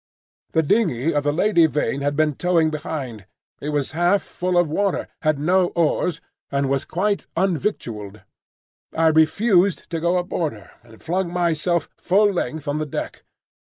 The dingey of the Lady Vain had been towing behind; it was half full of water, had no oars, and was quite unvictualled. I refused to go aboard her, and flung myself full length on the deck.